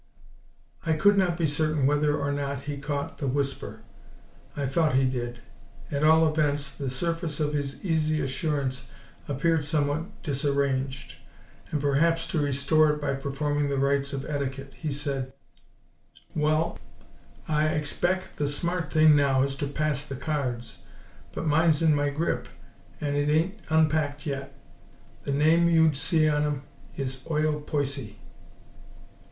I could not be certain whether or not he caught the whisper; I thought he did. At all events, the surface of his easy assurance appeared somewhat disarranged; and, perhaps to restore it by performing the rites of etiquette, he said: "Well, I expec' the smart thing now is to pass the cards, but mine's in my grip an' it ain't unpacked yet. The name you'd see on 'em is Oil Poicy."